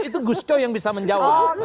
itu gus coy yang bisa menjawab